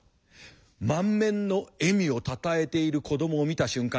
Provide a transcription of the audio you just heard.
満面の笑みをたたえている子どもを見た瞬間